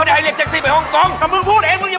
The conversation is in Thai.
มีความรู้สึกว่า